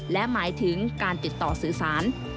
และหมายถึงการติดต่อสื่อสาร